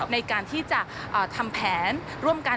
ในการทำแผนร่วมกัน